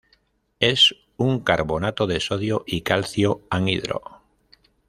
Es un carbonato de sodio y calcio, anhidro.